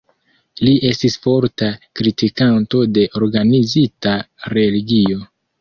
Li estis forta kritikanto de organizita religio.